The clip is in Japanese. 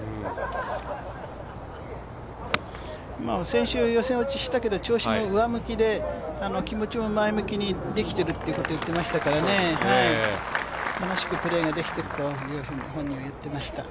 先週、予選落ちしたけど、調子も上向きで気持ちも前向きにできてるっていうことを言ってましたから楽しくプレーができているというふうに本人は言っていました。